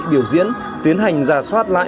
biểu diễn tiến hành giả soát lại